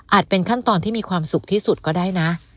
ขั้นตอนที่มีความสุขที่สุดก็ได้นะ